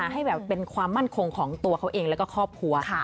ให้แบบเป็นความมั่นคงของตัวเขาเองแล้วก็ครอบครัว